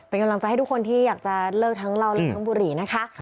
เราจะให้ทุกคนที่อยากจะเลิกทั้งเราและทั้งบุรีนะคะ